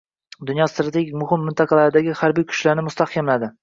dunyoning strategik muhim mintaqalaridagi harbiy kuchlarini mustahkamladi.